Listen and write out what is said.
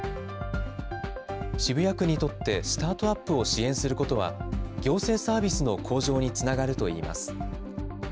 渋谷区にとってスタートアップを支援することは、行政サービスの向上につながるといいます。